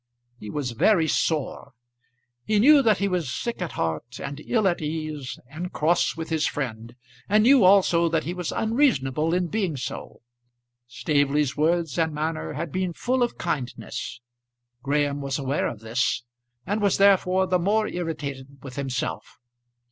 He was very sore. He knew that he was sick at heart, and ill at ease, and cross with his friend; and knew also that he was unreasonable in being so. Staveley's words and manner had been full of kindness. Graham was aware of this, and was therefore the more irritated with himself.